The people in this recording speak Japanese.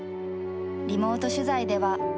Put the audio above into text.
リモート取材では。